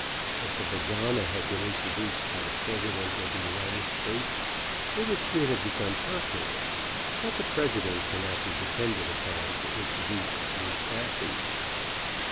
If the pajama had been introduced by .the President of the United States, it would soon have become popular, but the President cannot be depended upon to introduce new fashions.